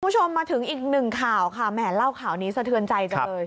คุณผู้ชมมาถึงอีกหนึ่งข่าวค่ะแหมเล่าข่าวนี้สะเทือนใจจังเลย